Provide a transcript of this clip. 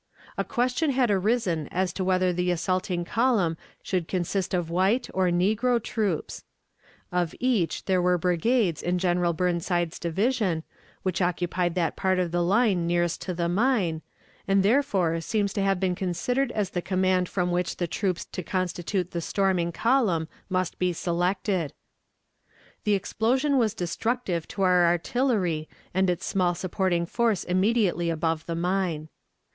A question had arisen as to whether the assaulting column should consist of white or negro troops; of each, there were brigades in General Burnside's division, which occupied that part of the line nearest to the mine, and therefore seems to have been considered as the command from which the troops to constitute the storming column must be selected. The explosion was destructive to our artillery and its small supporting force immediately above the mine.